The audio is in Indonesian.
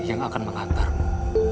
yang akan mengantarmu